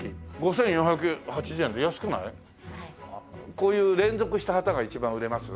こういう連続した旗が一番売れます？